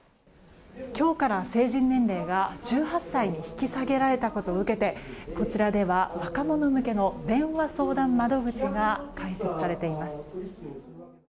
今日から成人年齢が１８歳に引き下げられたことを受けてこちらでは若者向けの電話相談窓口が開設されています。